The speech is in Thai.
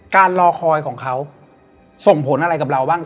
รอคอยของเขาส่งผลอะไรกับเราบ้าง